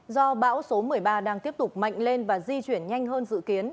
do bão số một mươi ba đang tiếp tục mạnh lên và di chuyển nhanh hơn dự kiến